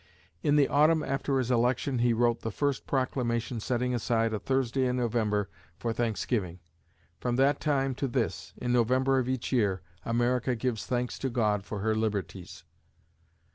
In the autumn after his election, he wrote the first Proclamation setting aside a Thursday in November for Thanksgiving. From that time to this, in November of each year, America gives thanks to God for her liberties.